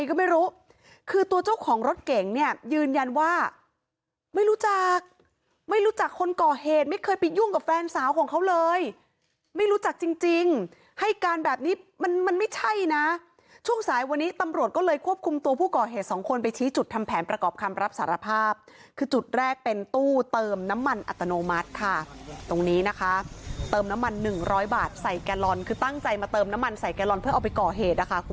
ใครก็ไม่รู้คือตัวเจ้าของรถเก่งเนี่ยยืนยันว่าไม่รู้จักไม่รู้จักคนก่อเหตุไม่เคยไปยุ่งกับแฟนสาวของเขาเลยไม่รู้จักจริงให้การแบบนี้มันมันไม่ใช่นะช่วงสายวันนี้ตำรวจก็เลยควบคุมตัวผู้ก่อเหตุสองคนไปชี้จุดทำแผนประกอบคำรับสารภาพคือจุดแรกเป็นตู้เติมน้ำมันอัตโนมัติค่ะตรงนี้นะคะเ